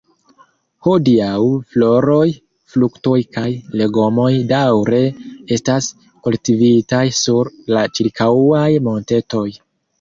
Hodiaŭ, floroj, fruktoj kaj legomoj daŭre estas kultivitaj sur la ĉirkaŭaj montetoj.